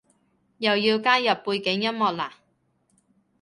又要加入背景音樂喇？